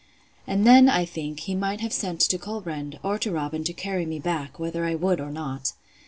And then, I think, he might have sent to Colbrand, or to Robin, to carry me back, whether I would or not.